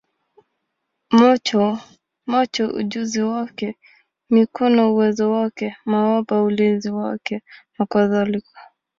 macho ujuzi wake, mikono uwezo wake, mabawa ulinzi wake, nakadhalika.